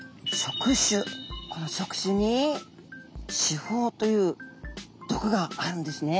この触手に刺胞という毒があるんですね。